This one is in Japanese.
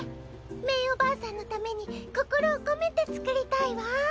メイおばあさんのために心を込めて作りたいわ！